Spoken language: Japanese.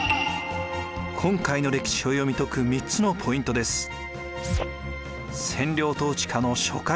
今回の歴史を読み解く３つのポイントです。